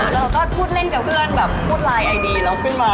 เราก็พูดเล่นกับเพื่อนแบบพูดไลน์ไอดีเราขึ้นมา